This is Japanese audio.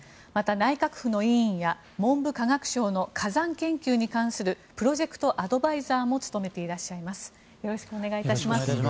また、内閣府の委員や文部科学省の火山研究に関するプロジェクトアドバイザーも務めていらっしゃいます。